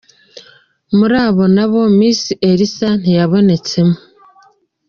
Muri aba nabo Miss Elisa ntiyabonetsemo.